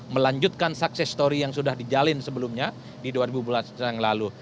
melanjutkan sukses story yang sudah dijalin sebelumnya di dua ribu yang lalu